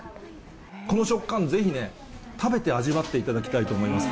この食感、ぜひね、食べて味わっていただきたいと思います。